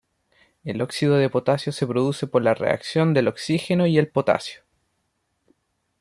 El óxido de potasio se produce por la reacción del oxígeno y el potasio.